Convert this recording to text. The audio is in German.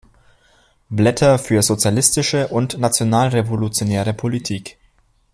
Blätter für sozialistische und nationalrevolutionäre Politik".